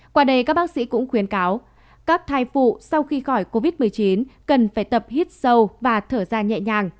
qua đây các bác sĩ cũng khuyến cáo các thai phụ sau khi khỏi covid một mươi chín cần phải tập hít sâu và thở ra nhẹ nhàng